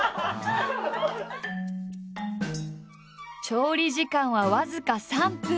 調理時間は僅か３分。